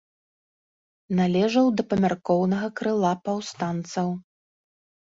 Належаў да памяркоўнага крыла паўстанцаў.